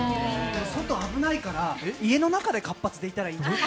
外危ないから、家の中で活発でいたらいい。